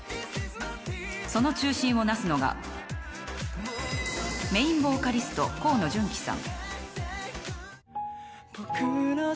その中心をなすのがメーンボーカリスト河野純喜さん。